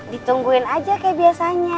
ditungguin aja kayak biasanya